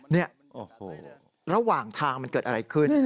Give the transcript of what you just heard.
นี่โอ้โหระหว่างทางมันเกิดอะไรขึ้น